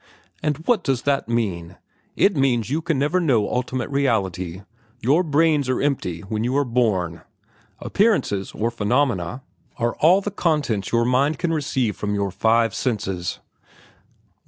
"And what does that mean? It means that you can never know ultimate reality. Your brains are empty when you are born. Appearances, or phenomena, are all the content your minds can receive from your five senses.